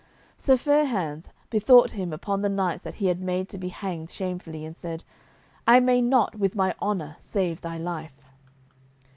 Sir Fair hands bethought him upon the knights that he had made to be hanged shamefully, and said, "I may not with my honour save thy life."